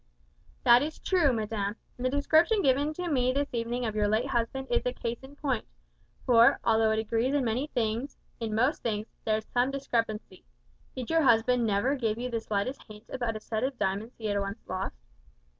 "That is true, madam; and the description given to me this evening of your late husband is a case in point; for, although it agrees in many things in most things there is some discrepancy. Did your husband never give you the slightest hint about a set of diamonds that he had once lost?"